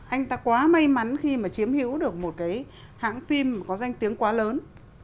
anh ta quá may mắn khi mà chiếm hiểu được một cái hãng phim có danh tiếng quá lớn